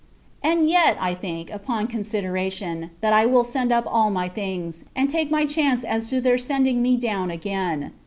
And yet, I think, upon consideration, that I will send up all my things, and take my chance as to their sending me down again.